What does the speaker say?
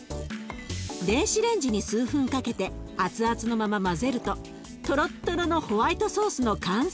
電子レンジに数分かけて熱々のまま混ぜるととろっとろのホワイトソースの完成。